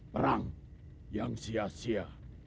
perang yang sia sia